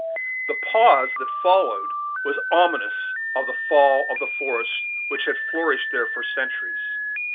The pause that followed was ominous of the fall of the forest which had flourished there for centuries.